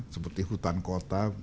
seperti hutan kota